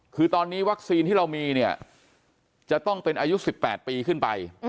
คือตอนนี้วัคซีนที่เรามีเนี่ยจะต้องเป็นอายุ๑๘ปีขึ้นไป